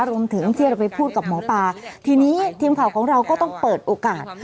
รวมถึงที่เราไปพูดกับหมอปลาทีนี้ทีมข่าวของเราก็ต้องเปิดโอกาส